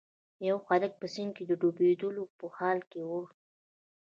یو هلک په سیند کې د ډوبیدو په حال کې و.